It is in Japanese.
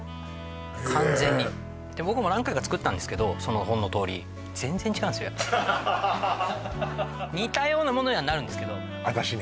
完全に僕も何回か作ったんですけどその本のとおり全然違うんですよやっぱり似たようなものにはなるんですけど私ね